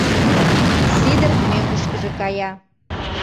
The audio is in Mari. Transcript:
Сидыр мӧҥгышкыжӧ кая.